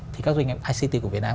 thì các doanh nghiệp ict của việt nam